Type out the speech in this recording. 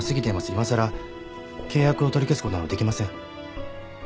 いまさら契約を取り消すことなどできません。